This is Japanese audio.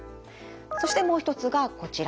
そしてもう一つがこちら。